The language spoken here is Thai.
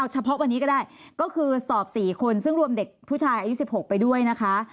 เฉพาะวันนี้ก็ได้ก็คือสอบ๔คนซึ่งรวมเด็กผู้ชายอายุ๑๖ไปด้วยนะคะ